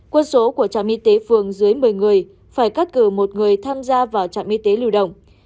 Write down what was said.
quân số của trạm y tế phường dưới một mươi người phải cắt cử một người tham gia vào trạm y tế lưu động